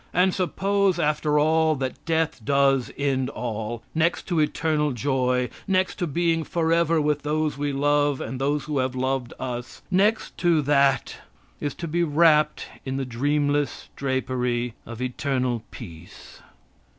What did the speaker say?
And suppose, after all, that death does end all, next to eternal joy, next to being forever with those we love and those who have loved us, next to that is to be wrapt in the dreamless drapery of eternal peace.